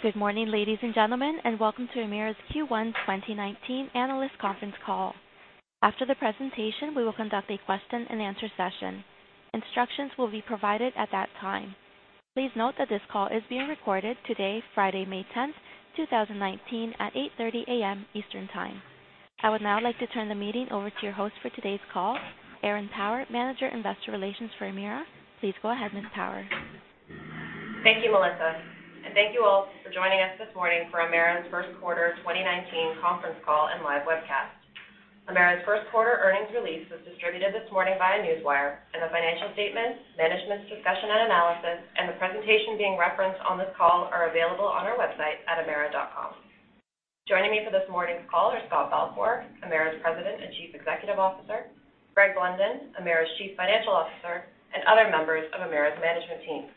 Good morning, ladies and gentlemen, welcome to Emera's Q1 2019 analyst conference call. After the presentation, we will conduct a question and answer session. Instructions will be provided at that time. Please note that this call is being recorded today, Friday, May 10th, 2019, at 8:30 A.M. Eastern Time. I would now like to turn the meeting over to your host for today's call, Erin Power, Manager Investor Relations for Emera. Please go ahead, Ms. Power. Thank you, Melissa, thank you all for joining us this morning for Emera's first quarter 2019 conference call and live webcast. Emera's first quarter earnings release was distributed this morning via Newswire, and the financial statements, management's discussion and analysis, and the presentation being referenced on this call are available on our website at emera.com. Joining me for this morning's call are Scott Balfour, Emera's President and Chief Executive Officer, Greg Blunden, Emera's Chief Financial Officer, and other members of Emera's management team.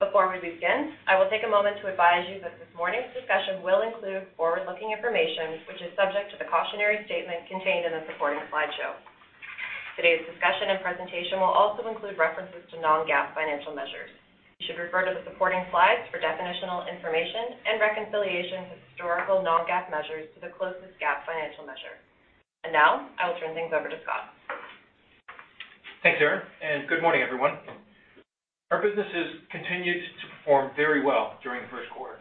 Before we begin, I will take a moment to advise you that this morning's discussion will include forward-looking information, which is subject to the cautionary statement contained in the supporting slideshow. Today's discussion and presentation will also include references to non-GAAP financial measures. You should refer to the supporting slides for definitional information and reconciliations of historical non-GAAP measures to the closest GAAP financial measure. Now, I will turn things over to Scott. Thanks, Erin, good morning, everyone. Our businesses continued to perform very well during the first quarter.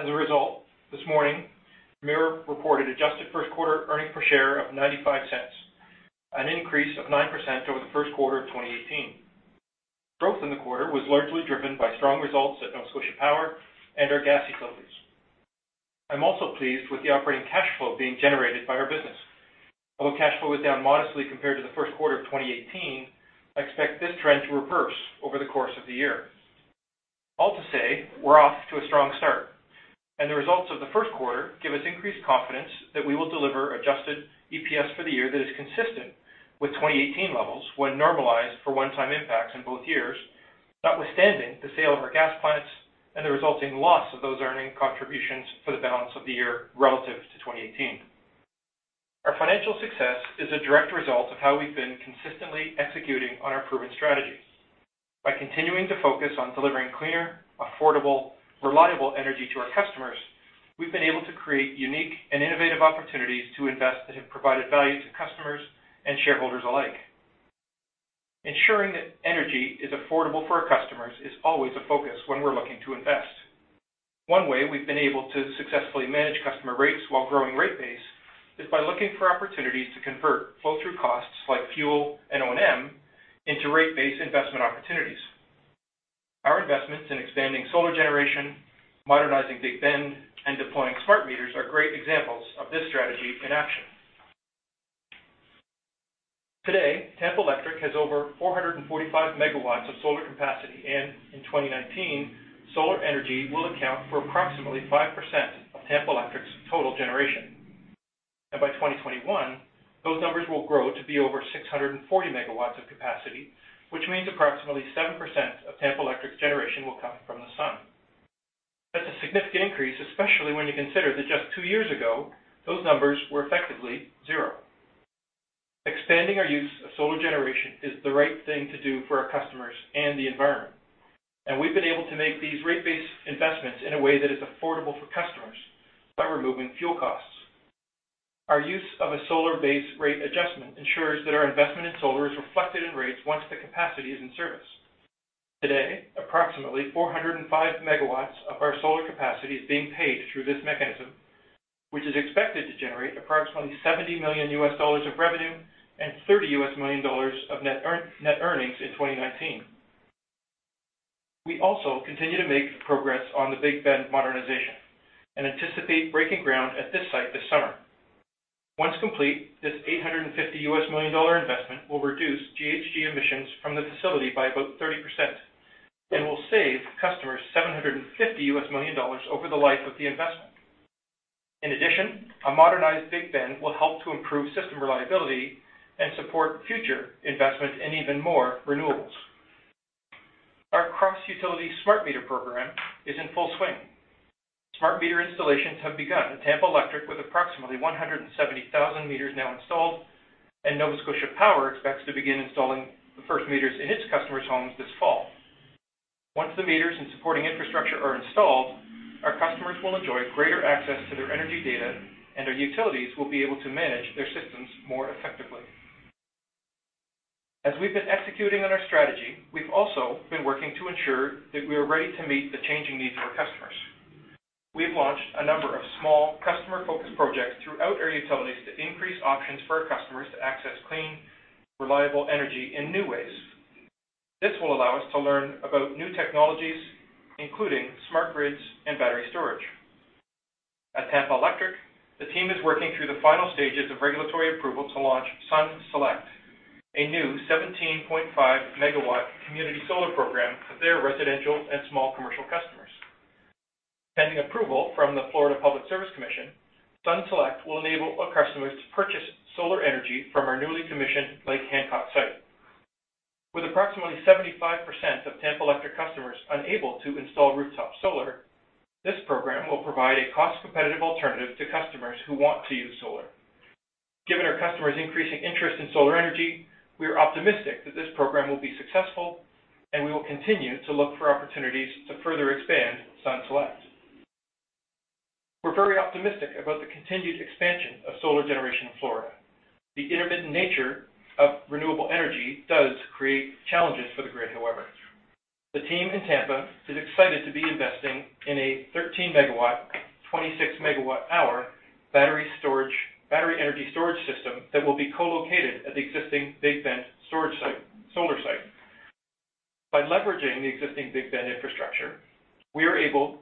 As a result, this morning, Emera reported adjusted first quarter earnings per share of 0.95, an increase of 9% over the first quarter of 2018. Growth in the quarter was largely driven by strong results at Nova Scotia Power and our gas utilities. I'm also pleased with the operating cash flow being generated by our business. Although cash flow was down modestly compared to the first quarter of 2018, I expect this trend to reverse over the course of the year. All to say, we're off to a strong start, and the results of the first quarter give us increased confidence that we will deliver adjusted EPS for the year that is consistent with 2018 levels when normalized for one-time impacts in both years, notwithstanding the sale of our gas plants and the resulting loss of those earning contributions for the balance of the year relative to 2018. Our financial success is a direct result of how we've been consistently executing on our proven strategies. By continuing to focus on delivering cleaner, affordable, reliable energy to our customers, we've been able to create unique and innovative opportunities to invest that have provided value to customers and shareholders alike. Ensuring that energy is affordable for our customers is always a focus when we're looking to invest. One way we've been able to successfully manage customer rates while growing rate base is by looking for opportunities to convert flow-through costs like fuel and O&M into rate-based investment opportunities. Our investments in expanding solar generation, modernizing Big Bend, and deploying smart meters are great examples of this strategy in action. Today, Tampa Electric has over 445 megawatts of solar capacity, in 2019, solar energy will account for approximately 5% of Tampa Electric's total generation. By 2021, those numbers will grow to be over 640 megawatts of capacity, which means approximately 7% of Tampa Electric's generation will come from the sun. That's a significant increase, especially when you consider that just two years ago, those numbers were effectively zero. Expanding our use of solar generation is the right thing to do for our customers and the environment, we've been able to make these rate-based investments in a way that is affordable for customers by removing fuel costs. Our use of a solar-based rate adjustment ensures that our investment in solar is reflected in rates once the capacity is in service. Today, approximately 405 megawatts of our solar capacity is being paid through this mechanism, which is expected to generate approximately $70 million of revenue and $30 million of net earnings in 2019. We also continue to make progress on the Big Bend modernization and anticipate breaking ground at this site this summer. Once complete, this $850 million investment will reduce GHG emissions from the facility by about 30% and will save customers $750 million over the life of the investment. In addition, a modernized Big Bend will help to improve system reliability and support future investment in even more renewables. Our cross-utility smart meter program is in full swing. Smart meter installations have begun at Tampa Electric, with approximately 170,000 meters now installed, Nova Scotia Power expects to begin installing the first meters in its customers' homes this fall. Once the meters and supporting infrastructure are installed, our customers will enjoy greater access to their energy data, our utilities will be able to manage their systems more effectively. As we've been executing on our strategy, we've also been working to ensure that we are ready to meet the changing needs of our customers. We've launched a number of small, customer-focused projects throughout our utilities to increase options for our customers to access clean, reliable energy in new ways. This will allow us to learn about new technologies, including smart grids and battery storage. At Tampa Electric, the team is working through the final stages of regulatory approval to launch Sun Select, a new 17.5-megawatt community solar program for their residential and small commercial customers. Pending approval from the Florida Public Service Commission, Sun Select will enable our customers to purchase solar energy from our newly commissioned Lake Hancock site. With approximately 75% of Tampa Electric customers unable to install rooftop solar, this program will provide a cost-competitive alternative to customers who want to use solar. Given our customers' increasing interest in solar energy, we are optimistic that this program will be successful, and we will continue to look for opportunities to further expand Sun Select. We're very optimistic about the continued expansion of solar generation in Florida. The intermittent nature of renewable energy does create challenges for the grid, however. The team in Tampa is excited to be investing in a 13-megawatt, 26-megawatt hour battery energy storage system that will be co-located at the existing Big Bend solar site. By leveraging the existing Big Bend infrastructure, we are able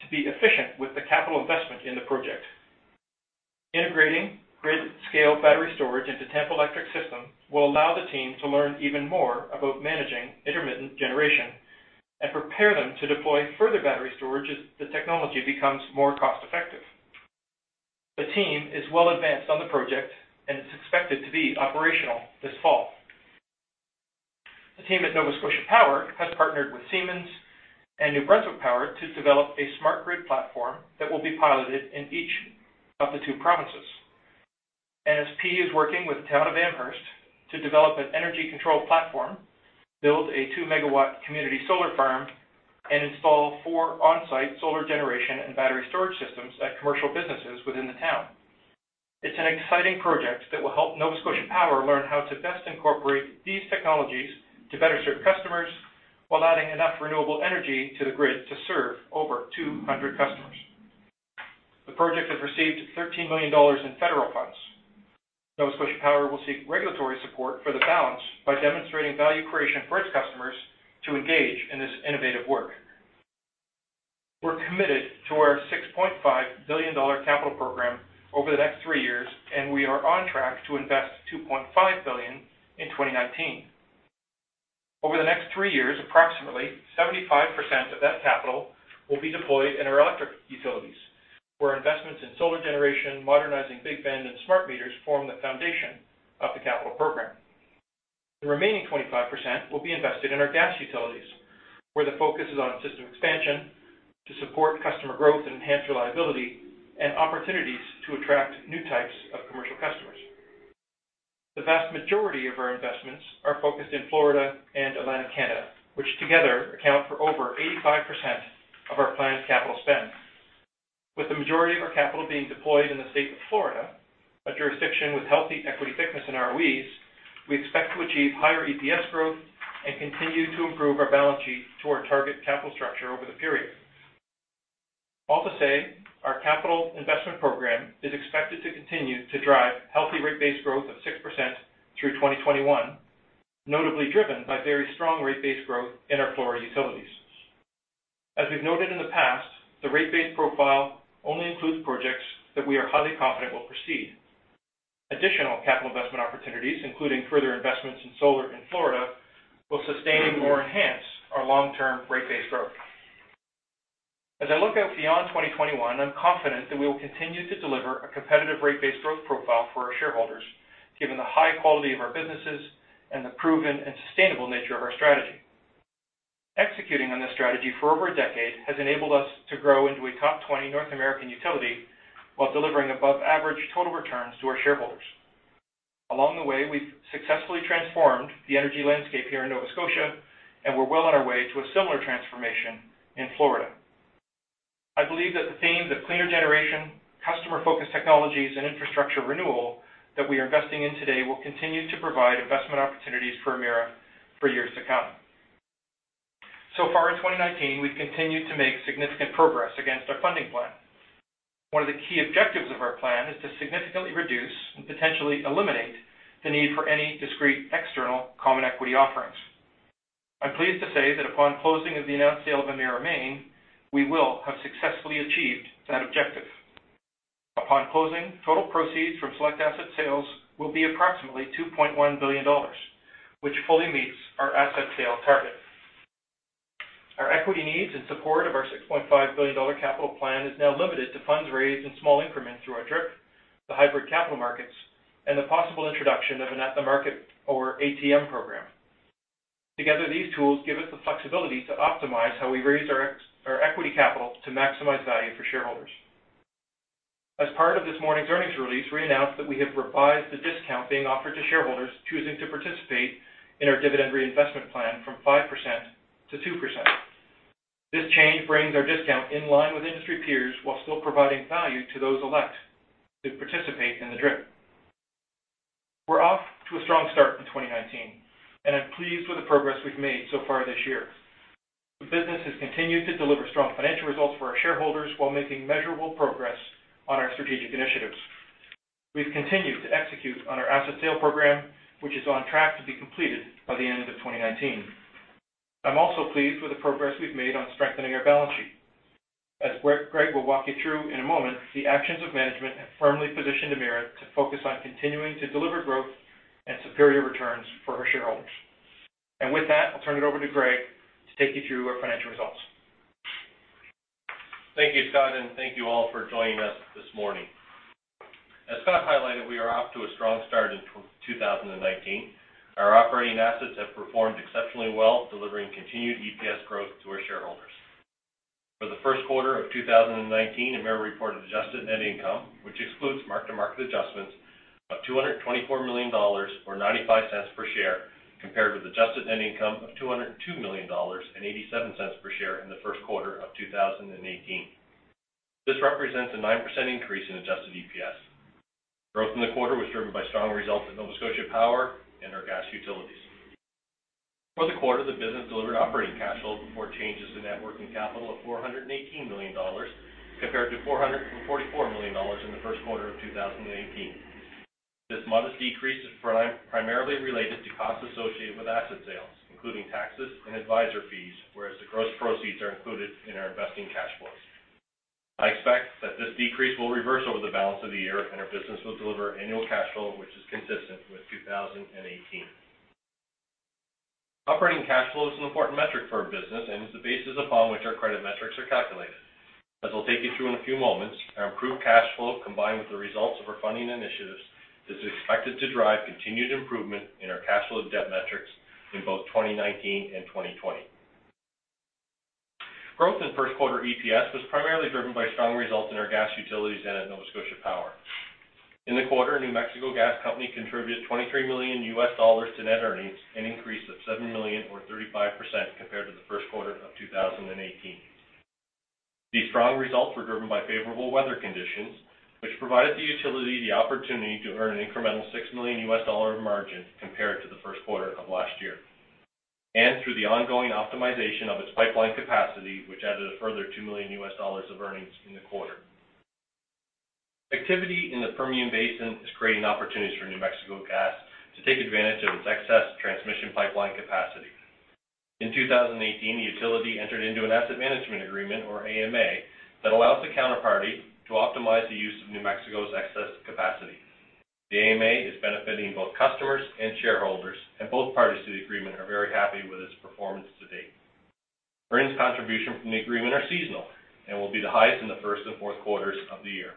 to be efficient with the capital investment in the project. Integrating grid-scale battery storage into Tampa Electric's system will allow the team to learn even more about managing intermittent generation and prepare them to deploy further battery storage as the technology becomes more cost-effective. The team is well advanced on the project, and it's expected to be operational this fall. The team at Nova Scotia Power has partnered with Siemens and New Brunswick Power to develop a smart grid platform that will be piloted in each of the two provinces. NSP is working with the town of Amherst to develop an energy control platform, build a two-megawatt community solar farm, and install four on-site solar generation and battery storage systems at commercial businesses within the town. It's an exciting project that will help Nova Scotia Power learn how to best incorporate these technologies to better serve customers while adding enough renewable energy to the grid to serve over 200 customers. The project has received 13 million dollars in federal funds. Nova Scotia Power will seek regulatory support for the balance by demonstrating value creation for its customers to engage in this innovative work. We're committed to our 6.5 billion dollar capital program over the next three years, and we are on track to invest 2.5 billion in 2019. Over the next three years, approximately 75% of that capital will be deployed in our electric utilities, where investments in solar generation, modernizing Big Bend, and smart meters form the foundation of the capital program. The remaining 25% will be invested in our gas utilities, where the focus is on system expansion to support customer growth and enhance reliability and opportunities to attract new types of commercial customers. The vast majority of our investments are focused in Florida and Atlantic Canada, which together account for over 85% of our planned capital spend. With the majority of our capital being deployed in the state of Florida, a jurisdiction with healthy equity thickness in ROEs, we expect to achieve higher EPS growth and continue to improve our balance sheet to our target capital structure over the period. All to say, our capital investment program is expected to continue to drive healthy rate base growth of 6% through 2021, notably driven by very strong rate base growth in our Florida utilities. As we've noted in the past, the rate base profile only includes projects that we are highly confident will proceed. Additional capital investment opportunities, including further investments in solar in Florida, will sustain or enhance our long-term rate base growth. As I look out beyond 2021, I'm confident that we will continue to deliver a competitive rate base growth profile for our shareholders, given the high quality of our businesses and the proven and sustainable nature of our strategy. Executing on this strategy for over a decade has enabled us to grow into a top 20 North American utility while delivering above-average total returns to our shareholders. Along the way, we've successfully transformed the energy landscape here in Nova Scotia, and we're well on our way to a similar transformation in Florida. I believe that the themes of cleaner generation, customer-focused technologies, and infrastructure renewal that we are investing in today will continue to provide investment opportunities for Emera for years to come. So far in 2019, we've continued to make significant progress against our funding plan. One of the key objectives of our plan is to significantly reduce and potentially eliminate the need for any discrete external common equity offerings. I'm pleased to say that upon closing of the announced sale of Emera Maine, we will have successfully achieved that objective. Upon closing, total proceeds from select asset sales will be approximately 2.1 billion dollars, which fully meets our asset sale target. Our equity needs in support of our 6.5 billion dollar capital plan is now limited to funds raised in small increments through our DRIP, the hybrid capital markets, and the possible introduction of an at-the-market or ATM program. Together, these tools give us the flexibility to optimize how we raise our equity capital to maximize value for shareholders. As part of this morning's earnings release, we announced that we have revised the discount being offered to shareholders choosing to participate in our dividend reinvestment plan from 5% to 2%. This change brings our discount in line with industry peers while still providing value to those elect to participate in the DRIP. We're off to a strong start in 2019, and I'm pleased with the progress we've made so far this year. The business has continued to deliver strong financial results for our shareholders while making measurable progress on our strategic initiatives. We've continued to execute on our asset sale program, which is on track to be completed by the end of 2019. I'm also pleased with the progress we've made on strengthening our balance sheet. As Greg will walk you through in a moment, the actions of management have firmly positioned Emera to focus on continuing to deliver growth and superior returns for our shareholders. With that, I'll turn it over to Greg to take you through our financial results. Thank you, Scott, and thank you all for joining us this morning. As Scott highlighted, we are off to a strong start in 2019. Our operating assets have performed exceptionally well, delivering continued EPS growth to our shareholders. For the first quarter of 2019, Emera reported adjusted net income, which excludes mark-to-market adjustments, of 224 million dollars, or 0.95 per share, compared with adjusted net income of 202 million dollars and 0.87 per share in the first quarter of 2018. This represents a 9% increase in adjusted EPS. Growth in the quarter was driven by strong results at Nova Scotia Power and our gas utilities. For the quarter, the business delivered operating cash flow before changes to net working capital of 418 million dollars, compared to 444 million dollars in the first quarter of 2018. This modest decrease is primarily related to costs associated with asset sales, including taxes and advisor fees, whereas the gross proceeds are included in our investing cash flows. I expect that this decrease will reverse over the balance of the year, and our business will deliver annual cash flow which is consistent with 2018. Operating cash flow is an important metric for our business and is the basis upon which our credit metrics are calculated. As I'll take you through in a few moments, our improved cash flow, combined with the results of our funding initiatives, is expected to drive continued improvement in our cash flow debt metrics in both 2019 and 2020. Growth in first quarter EPS was primarily driven by strong results in our gas utilities and at Nova Scotia Power. In the quarter, New Mexico Gas Company contributed $23 million US dollars to net earnings, an increase of $7 million or 35% compared to the first quarter of 2018. These strong results were driven by favorable weather conditions, which provided the utility the opportunity to earn an incremental $6 million US dollar margin compared to the first quarter of last year. Through the ongoing optimization of its pipeline capacity, which added a further $2 million US dollars of earnings in the quarter. Activity in the Permian Basin is creating opportunities for New Mexico Gas to take advantage of its excess transmission pipeline capacity. In 2018, the utility entered into an asset management agreement, or AMA, that allows the counterparty to optimize the use of New Mexico's excess capacity. The AMA is benefiting both customers and shareholders. Both parties to the agreement are very happy with its performance to date. Earnings contribution from the agreement are seasonal and will be the highest in the first and fourth quarters of the year.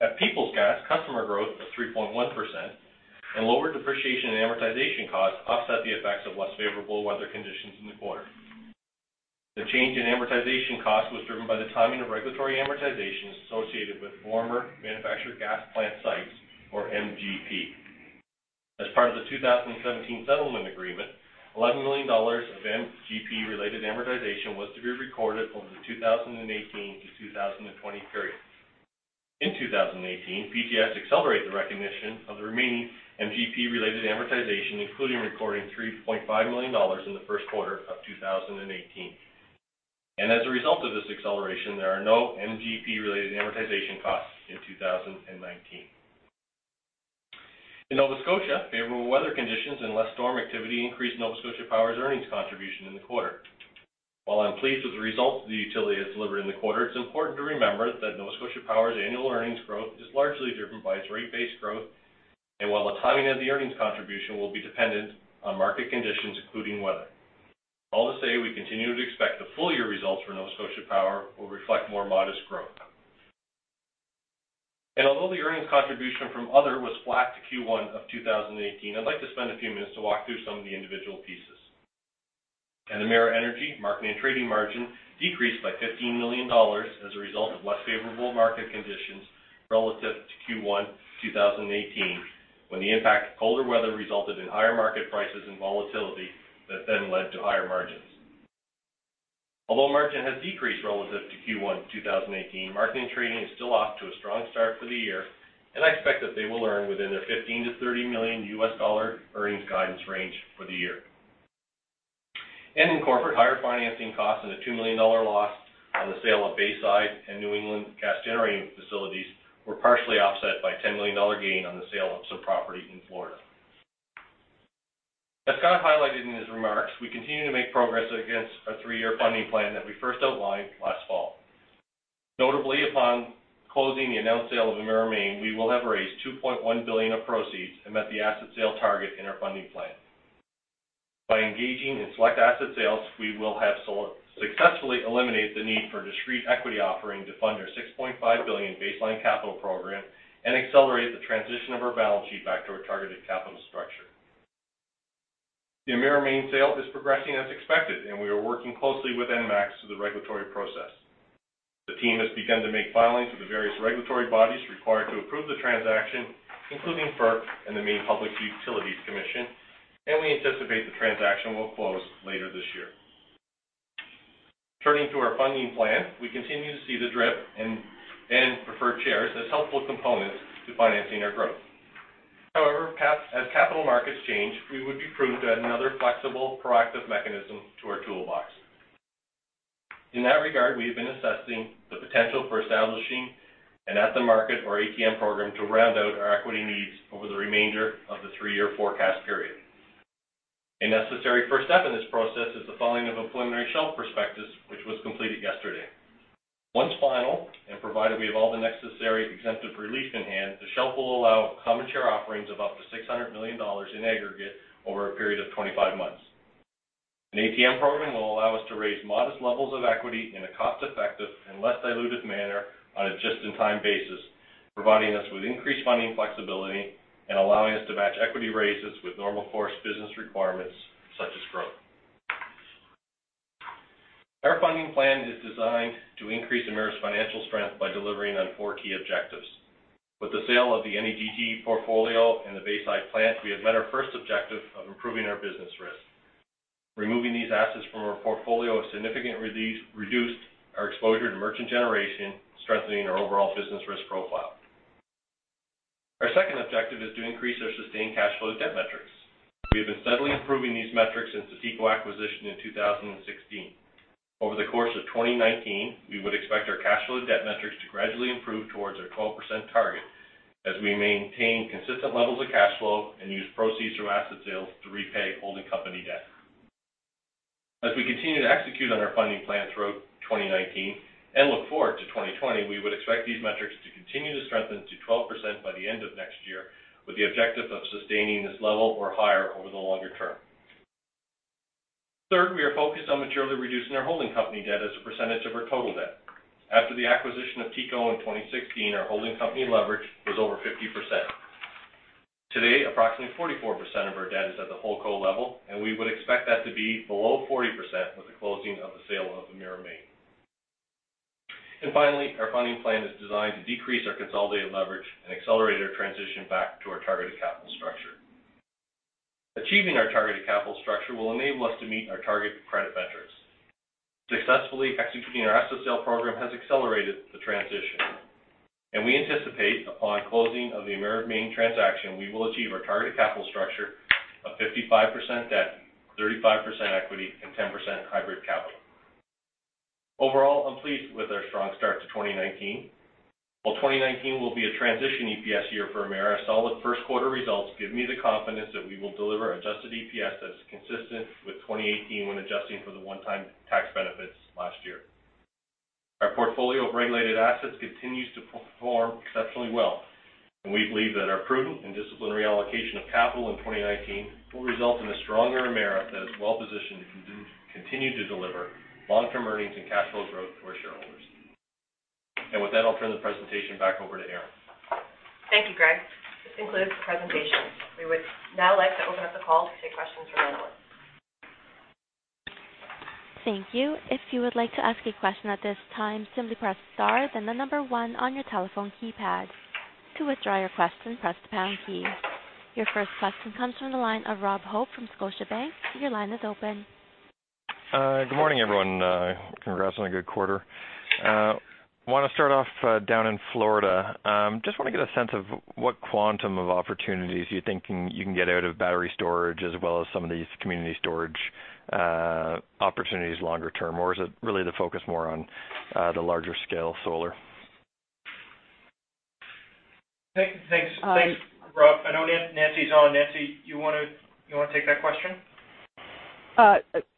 At Peoples Gas, customer growth of 3.1% and lower depreciation and amortization costs offset the effects of less favorable weather conditions in the quarter. The change in amortization cost was driven by the timing of regulatory amortization associated with former manufactured gas plant sites, or MGP. As part of the 2017 settlement agreement, 11 million dollars of MGP-related amortization was to be recorded over the 2018 to 2020 periods. In 2018, PGS accelerated the recognition of the remaining MGP-related amortization, including recording 3.5 million dollars in the first quarter of 2018. As a result of this acceleration, there are no MGP-related amortization costs in 2019. In Nova Scotia, favorable weather conditions and less storm activity increased Nova Scotia Power's earnings contribution in the quarter. While I'm pleased with the results the utility has delivered in the quarter, it's important to remember that Nova Scotia Power's annual earnings growth is largely driven by its rate base growth, while the timing of the earnings contribution will be dependent on market conditions, including weather. All to say, we continue to expect the full-year results for Nova Scotia Power will reflect more modest growth. Although the earnings contribution from other was flat to Q1 of 2018, I'd like to spend a few minutes to walk through some of the individual pieces. At Emera Energy, marketing and trading margin decreased by 15 million dollars as a result of less favorable market conditions relative to Q1 2018, when the impact of colder weather resulted in higher market prices and volatility that then led to higher margins. Although margin has decreased relative to Q1 2018, marketing and trading is still off to a strong start for the year, and I expect that they will earn within their $15 million-$30 million US dollar earnings guidance range for the year. In corporate, higher financing costs and a 2 million dollars loss on the sale of Bayside and New England Gas Generation facilities were partially offset by a 10 million dollar gain on the sale of some property in Florida. As Scott highlighted in his remarks, we continue to make progress against our three-year funding plan that we first outlined last fall. Notably, upon closing the announced sale of Emera Maine, we will have raised 2.1 billion of proceeds and met the asset sale target in our funding plan. By engaging in select asset sales, we will have successfully eliminated the need for a discrete equity offering to fund our 6.5 billion baseline capital program and accelerate the transition of our balance sheet back to our targeted capital structure. The Emera Maine sale is progressing as expected, and we are working closely with ENMAX through the regulatory process. The team has begun to make filings with the various regulatory bodies required to approve the transaction, including FERC and the Maine Public Utilities Commission, and we anticipate the transaction will close later this year. Turning to our funding plan, we continue to see the DRIP and preferred shares as helpful components to financing our growth. However, as capital markets change, we would be prudent to add another flexible, proactive mechanism to our toolbox. In that regard, we have been assessing the potential for establishing an at-the-market or ATM program to round out our equity needs over the remainder of the three-year forecast period. A necessary first step in this process is the filing of a preliminary shelf prospectus, which was completed yesterday. Once final, and provided we have all the necessary exemptive relief in hand, the shelf will allow common share offerings of up to 600 million dollars in aggregate over a period of 25 months. An ATM program will allow us to raise modest levels of equity in a cost-effective and less dilutive manner on a just-in-time basis, providing us with increased funding flexibility and allowing us to match equity raises with normal course business requirements such as growth. Our funding plan is designed to increase Emera's financial strength by delivering on four key objectives. With the sale of the NEGT portfolio and the Bayside plant, we have met our first objective of improving our business risk. Removing these assets from our portfolio has significantly reduced our exposure to merchant generation, strengthening our overall business risk profile. Our second objective is to increase our sustained cash flow debt metrics. We have been steadily improving these metrics since the TECO acquisition in 2016. Over the course of 2019, we would expect our cash flow debt metrics to gradually improve towards our 12% target as we maintain consistent levels of cash flow and use proceeds through asset sales to repay holding company debt. We continue to execute on our funding plan throughout 2019 and look forward to 2020, we would expect these metrics to continue to strengthen to 12% by the end of next year, with the objective of sustaining this level or higher over the longer term. Third, we are focused on materially reducing our holding company debt as a percentage of our total debt. After the acquisition of TECO in 2016, our holding company leverage was over 50%. Today, approximately 44% of our debt is at the whole co level, and we would expect that to be below 40% with the closing of the sale of Emera Maine. Finally, our funding plan is designed to decrease our consolidated leverage and accelerate our transition back to our targeted capital structure. Achieving our targeted capital structure will enable us to meet our target credit metrics. Successfully executing our asset sale program has accelerated the transition. We anticipate upon closing of the Emera Maine transaction, we will achieve our targeted capital structure of 55% debt, 35% equity and 10% hybrid capital. Overall, I'm pleased with our strong start to 2019. While 2019 will be a transition EPS year for Emera, solid first quarter results give me the confidence that we will deliver adjusted EPS that's consistent with 2018 when adjusting for the one-time tax benefits last year. Our portfolio of regulated assets continues to perform exceptionally well, and we believe that our prudent and disciplined allocation of capital in 2019 will result in a stronger Emera that is well-positioned to continue to deliver long-term earnings and cash flow growth for our shareholders. With that, I'll turn the presentation back over to Erin. Thank you, Greg. This concludes the presentation. We would now like to open up the call to take questions from analysts. Thank you. If you would like to ask a question at this time, simply press star, then the number one on your telephone keypad. To withdraw your question, press the pound key. Your first question comes from the line of Robert Hope from Scotiabank. Your line is open. Good morning, everyone. Congrats on a good quarter. I want to start off down in Florida. Just want to get a sense of what quantum of opportunities you're thinking you can get out of battery storage as well as some of these community storage opportunities longer term. Is it really the focus more on the larger scale solar? Thanks, Rob. I know Nancy's on. Nancy, you want to take that question?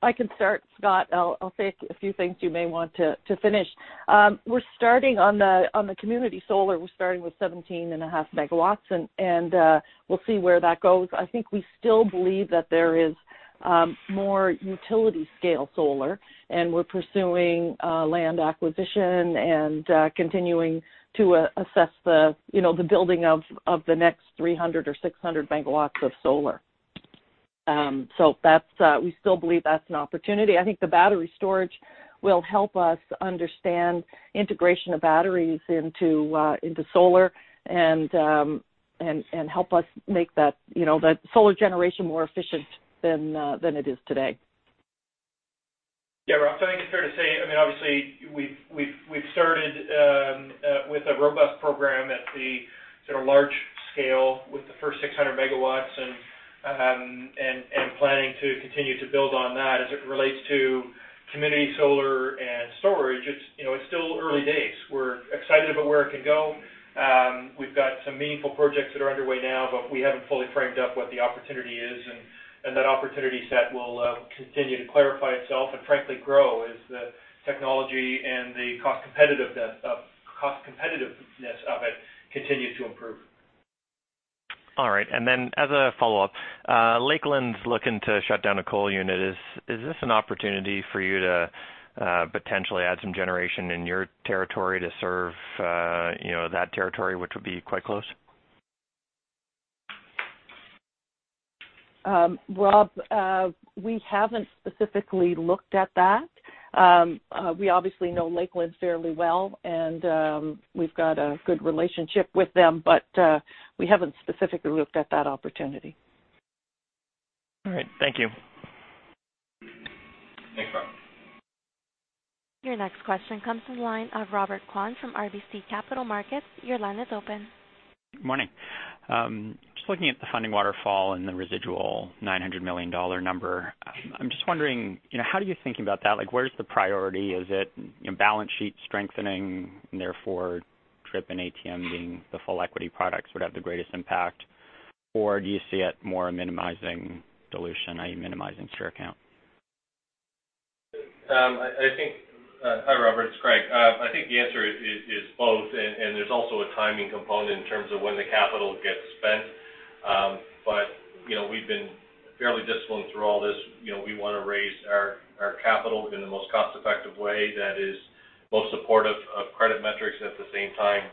I can start, Scott. I'll say a few things you may want to finish. On the community solar, we're starting with 17.5 megawatts. We'll see where that goes. I think we still believe that there is more utility scale solar. We're pursuing land acquisition and continuing to assess the building of the next 300 or 600 megawatts of solar. We still believe that's an opportunity. I think the battery storage will help us understand integration of batteries into solar and help us make that solar generation more efficient than it is today. Rob, I think it's fair to say, obviously, we've started with a robust program at the large scale with the first 600 megawatts and planning to continue to build on that. As it relates to community solar and storage, it's still early days. We're excited about where it can go. We've got some meaningful projects that are underway now, but we haven't fully framed up what the opportunity is, and that opportunity set will continue to clarify itself and frankly grow as the technology and the cost competitiveness of it continues to improve. All right. As a follow-up, Lakeland's looking to shut down a coal unit. Is this an opportunity for you to potentially add some generation in your territory to serve that territory, which would be quite close? Rob, we haven't specifically looked at that. We obviously know Lakeland fairly well, and we've got a good relationship with them, but we haven't specifically looked at that opportunity. All right. Thank you. Thanks, Rob. Your next question comes to the line of Robert Kwan from RBC Capital Markets. Your line is open. Good morning. Just looking at the funding waterfall and the residual 900 million dollar number. I'm just wondering, how are you thinking about that? Where's the priority? Is it balance sheet strengthening, and therefore DRIP and ATM being the full equity products would have the greatest impact? Or do you see it more minimizing dilution, i.e. minimizing share count? Hi, Robert. It's Greg. I think the answer is both, and there's also a timing component in terms of when the capital gets spent. We've been fairly disciplined through all this. We want to raise our capital in the most cost-effective way that is most supportive of credit metrics, at the same time,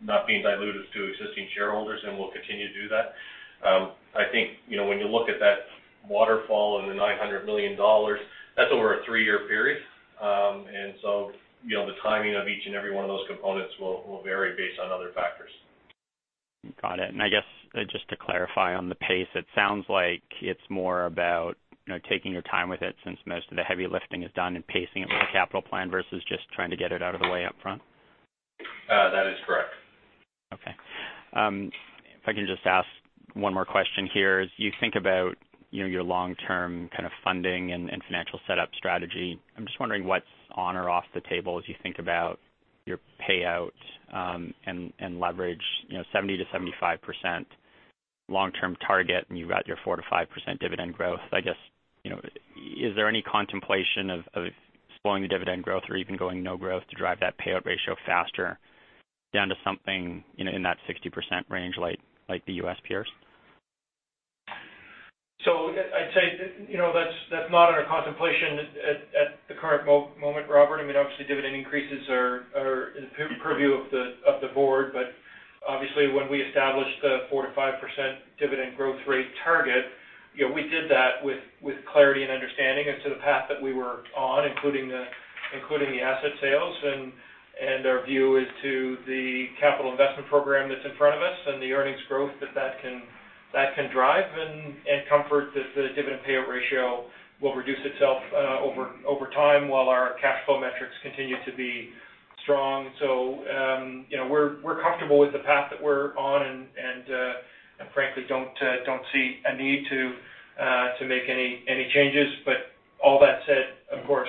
not being dilutive to existing shareholders, and we'll continue to do that. I think, when you look at that waterfall and the 900 million dollars, that's over a three-year period. The timing of each and every one of those components will vary based on other factors. Got it. I guess, just to clarify on the pace, it sounds like it's more about taking your time with it, since most of the heavy lifting is done, and pacing it with the capital plan versus just trying to get it out of the way up front? That is correct. Okay. If I can just ask one more question here. As you think about your long-term kind of funding and financial setup strategy, I'm just wondering what's on or off the table as you think about your payout and leverage, 70%-75% long-term target, and you've got your 4%-5% dividend growth. I guess, is there any contemplation of slowing the dividend growth or even going no growth to drive that payout ratio faster down to something in that 60% range like the U.S. peers? I'd say that's not under contemplation at the current moment, Robert. Obviously, dividend increases are in the purview of the board. Obviously, when we established the 4%-5% dividend growth rate target, we did that with clarity and understanding as to the path that we were on, including the asset sales and our view as to the capital investment program that's in front of us and the earnings growth that can drive, and comfort that the dividend payout ratio will reduce itself over time while our cash flow metrics continue to be strong. We're comfortable with the path that we're on and frankly don't see a need to make any changes. All that said, of course,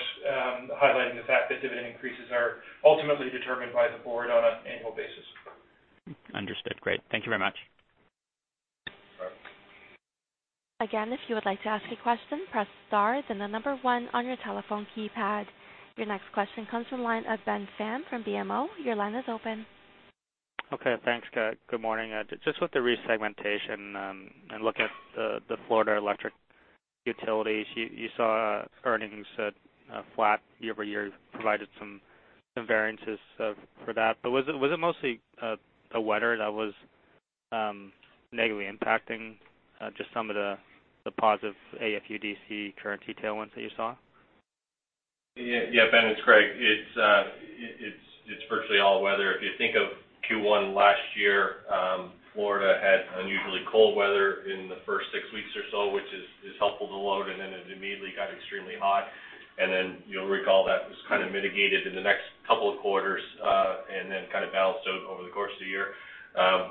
highlighting the fact that dividend increases are ultimately determined by the board on an annual basis. Understood. Great. Thank you very much. Sure. Again, if you would like to ask a question, press star, then the number one on your telephone keypad. Your next question comes from the line of Ben Pham from BMO. Your line is open. Okay, thanks. Good morning. Just with the resegmentation and looking at the Florida electric utilities, you saw earnings flat year-over-year. You provided some variances for that. Was it mostly the weather that was negatively impacting just some of the positive AFUDC currency tailwinds that you saw? Yeah, Ben, it's Greg. It's virtually all weather. If you think of Q1 last year, Florida had unusually cold weather in the first 6 weeks or so, which is helpful to load, then it immediately got extremely hot. Then you'll recall that was kind of mitigated in the next couple of quarters, then kind of balanced out over the course of the year.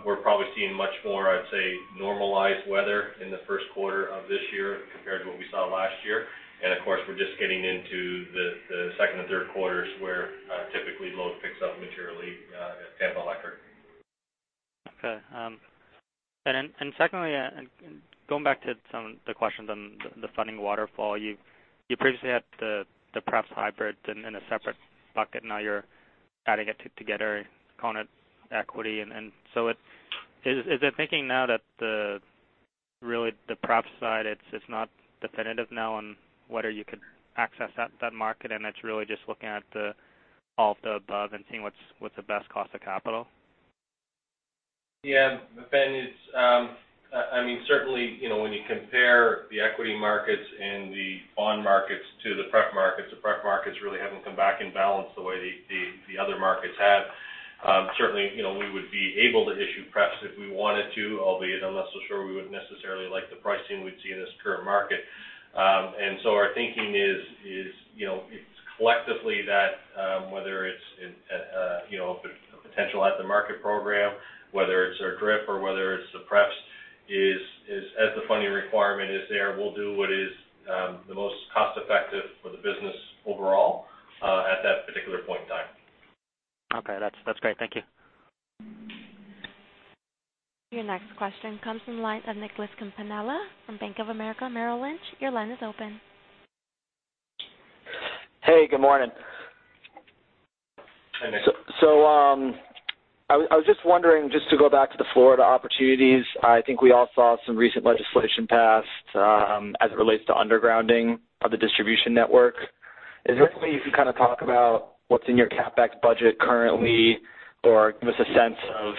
We're probably seeing much more, I'd say, normalized weather in the first quarter of this year compared to what we saw last year. Of course, we're just getting into the second and third quarters, where typically load picks up materially at Tampa Electric. Okay. Secondly, going back to some of the questions on the funding waterfall, you previously had the pref hybrid in a separate bucket. Now you're adding it together, calling it equity. Is the thinking now that really the pref side, it's not definitive now on whether you could access that market and it's really just looking at all of the above and seeing what's the best cost of capital? Yeah. Ben, certainly, when you compare the equity markets and the bond markets to the pref markets, the pref markets really haven't come back in balance the way the other markets have. Certainly, we would be able to issue pref if we wanted to, albeit I'm less so sure we would necessarily like the pricing we'd see in this current market. Our thinking is, it's collectively that, whether it's a potential at-the-market program, whether it's our DRIP or whether it's the pref is as the funding requirement is there, we'll do what is the most cost-effective for the business overall at that particular point in time. Okay, that's great. Thank you. Your next question comes from the line of Nicholas Campanella from Bank of America Merrill Lynch. Your line is open. Hey, good morning. Hi, Nick. I was just wondering, just to go back to the Florida opportunities, I think we all saw some recent legislation passed as it relates to undergrounding of the distribution network. Sure. Is there any way you can kind of talk about what's in your CapEx budget currently, or give us a sense of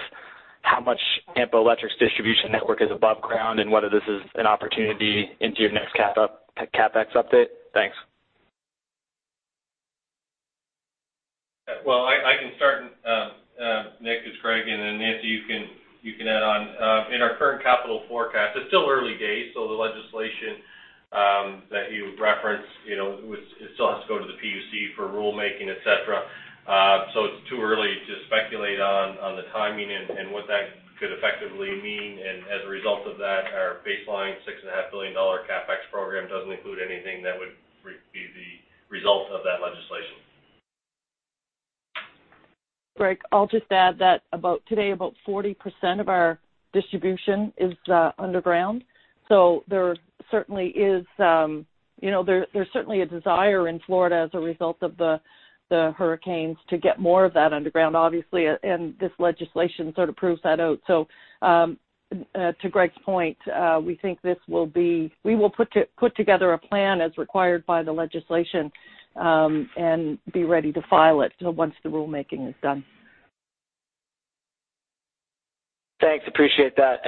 how much Tampa Electric's distribution network is above ground and whether this is an opportunity into your next CapEx update? Thanks. Well, I can start, Nick. It's Greg, and then Nancy, you can add on. In our current capital forecast, it's still early days. The legislation that you referenced, it still has to go to the PUC for rulemaking, et cetera. It's too early to speculate on the timing and what that could effectively mean. As a result of that, our baseline 6.5 billion dollar CapEx program doesn't include anything that would be the result of that legislation. Greg, I'll just add that today, about 40% of our distribution is underground. There certainly is a desire in Florida as a result of the hurricanes to get more of that underground, obviously, and this legislation sort of proves that out. To Greg's point, we will put together a plan as required by the legislation, and be ready to file it once the rulemaking is done. Thanks. Appreciate that.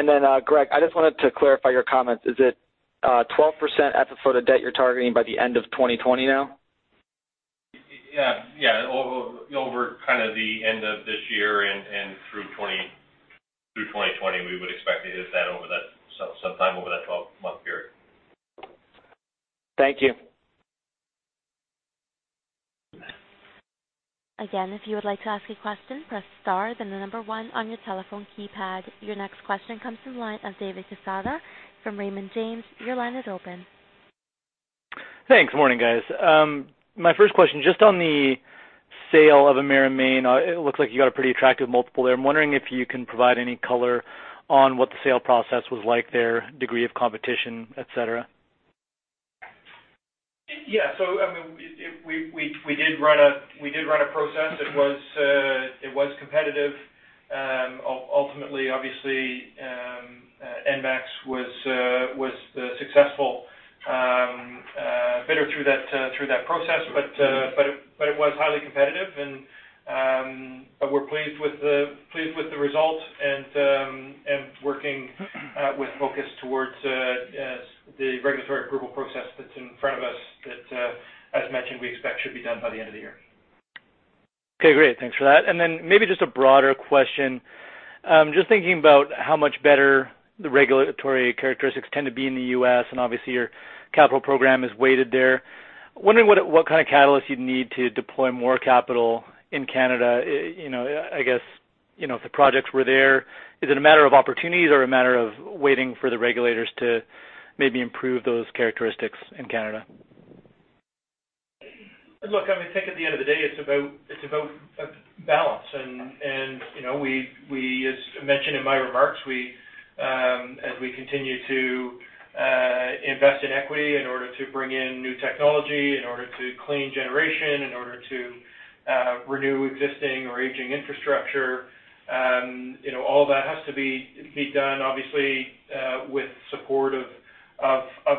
Greg, I just wanted to clarify your comments. Is it 12% FFO to debt you're targeting by the end of 2020 now? Yeah. Over the end of this year and through 2020, we would expect to hit that over that sometime over that 12-month period. Thank you. Again, if you would like to ask a question, press star, then the number 1 on your telephone keypad. Your next question comes from the line of David Quezada from Raymond James, your line is open. Thanks. Morning, guys. My first question, just on the sale of Emera Maine, it looks like you got a pretty attractive multiple there. I am wondering if you can provide any color on what the sale process was like there, degree of competition, et cetera. Yeah. We did run a process. It was competitive. Ultimately, obviously, ENMAX was successful bidder through that process. It was highly competitive, and we're pleased with the result and working with focus towards the regulatory approval process that's in front of us that, as mentioned, we expect should be done by the end of the year. Okay, great. Thanks for that. Maybe just a broader question. Just thinking about how much better the regulatory characteristics tend to be in the U.S., and obviously your capital program is weighted there. Wondering what kind of catalyst you'd need to deploy more capital in Canada. I guess, if the projects were there, is it a matter of opportunities or a matter of waiting for the regulators to maybe improve those characteristics in Canada? Look, I think at the end of the day, it's about balance. As mentioned in my remarks, as we continue to invest in equity in order to bring in new technology, in order to clean generation, in order to renew existing or aging infrastructure, all that has to be done obviously, with support of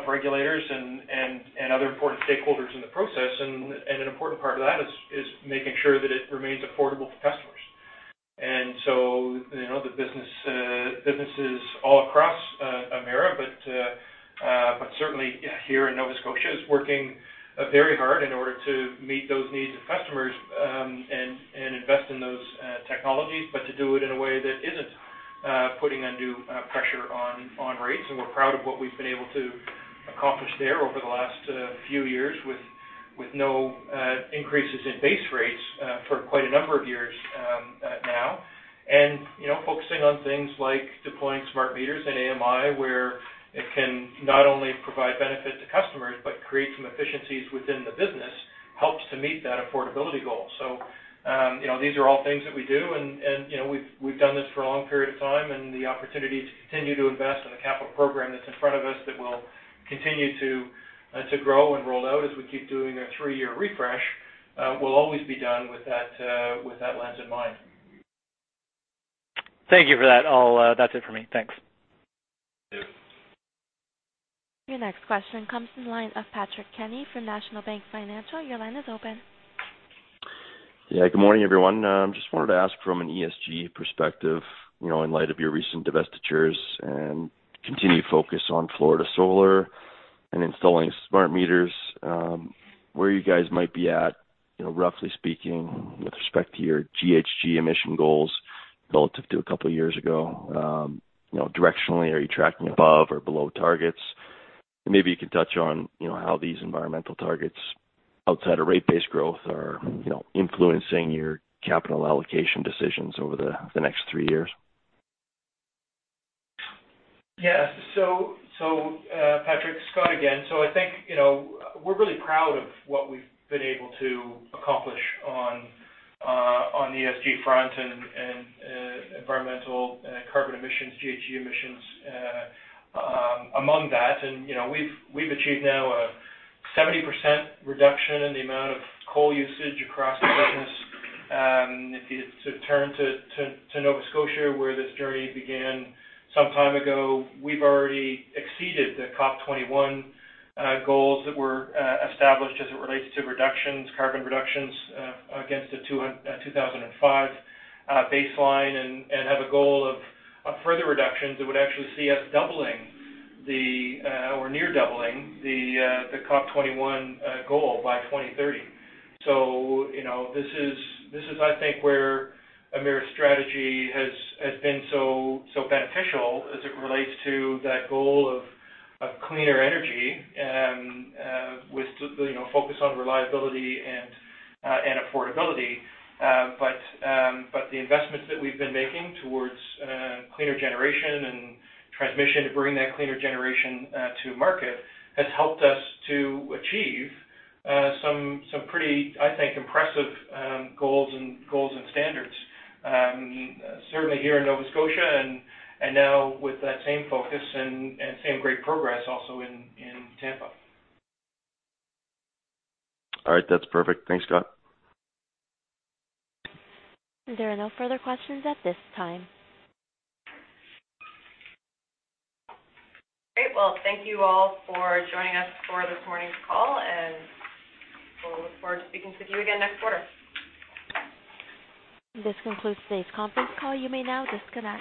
regulators and other important stakeholders in the process. An important part of that is making sure that it remains affordable for customers. The businesses all across Emera, but certainly here in Nova Scotia, is working very hard in order to meet those needs of customers, and invest in those technologies, but to do it in a way that isn't putting undue pressure on rates. We're proud of what we've been able to accomplish there over the last few years with no increases in base rates for quite a number of years now. Focusing on things like deploying smart meters and AMI, where it can not only provide benefit to customers but create some efficiencies within the business, helps to meet that affordability goal. These are all things that we do, and we've done this for a long period of time. The opportunity to continue to invest in the capital program that's in front of us that will continue to grow and roll out as we keep doing our three-year refresh, will always be done with that lens in mind. Thank you for that. That's it for me. Thanks. Thank you. Your next question comes from the line of Patrick Kenny from National Bank Financial. Your line is open. Yeah. Good morning, everyone. Just wanted to ask from an ESG perspective, in light of your recent divestitures and continued focus on Florida Solar and installing smart meters, where you guys might be at, roughly speaking, with respect to your GHG emission goals relative to a couple of years ago. Directionally, are you tracking above or below targets? Maybe you can touch on how these environmental targets outside of rate-based growth are influencing your capital allocation decisions over the next three years. Patrick, Scott again. I think, we're really proud of what we've been able to accomplish on the ESG front and environmental carbon emissions, GHG emissions, among that. We've achieved now a 70% reduction in the amount of coal usage across the business. If you turn to Nova Scotia, where this journey began some time ago, we've already exceeded the COP 21 goals that were established as it relates to carbon reductions against the 2005 baseline and have a goal of further reductions that would actually see us doubling the, or near doubling the COP 21 goal by 2030. This is, I think, where Emera's strategy has been so beneficial as it relates to that goal of cleaner energy, with focus on reliability and affordability. The investments that we've been making towards cleaner generation and transmission to bring that cleaner generation to market has helped us to achieve some pretty, I think, impressive goals and standards. Certainly here in Nova Scotia and now with that same focus and same great progress also in Tampa. All right. That's perfect. Thanks, Scott. There are no further questions at this time. Great. Well, thank you all for joining us for this morning's call, and we'll look forward to speaking with you again next quarter. This concludes today's conference call. You may now disconnect.